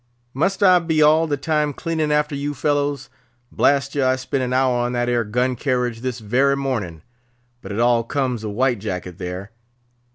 "Must I be all the time cleaning after you fellows? Blast ye! I spent an hour on that 'ere gun carriage this very mornin'. But it all comes of White Jacket there.